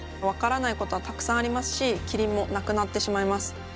分からないことはたくさんありますしキリンも亡くなってしまいます。